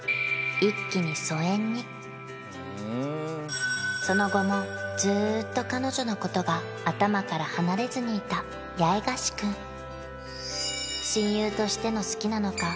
一気に疎遠にその後もずっと彼女のことが頭から離れずにいた八重樫君親友としての好きなのか？